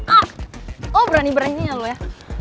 ah oh berani beraninya lho ya